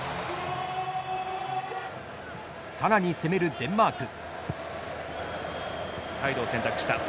さらに攻めるデンマーク。